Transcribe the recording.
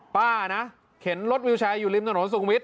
ป้านะเข็นรถวิวแชร์อยู่ริมถนนสุขุมวิทย